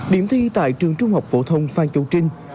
điểm thi tại trường trung học phổ thông phan chu trinh